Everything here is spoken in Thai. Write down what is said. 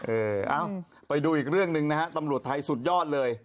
เอ้าไปดูอีกเรื่องหนึ่งนะฮะตำรวจไทยสุดยอดเลย